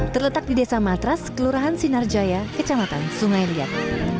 terletak di desa matras kelurahan sinarjaya kecamatan sungai liat